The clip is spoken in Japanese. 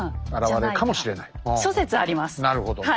なるほど。